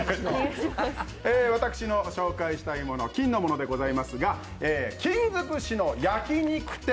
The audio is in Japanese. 私の紹介したいもの、金のものでございますが、金尽くしの焼き肉店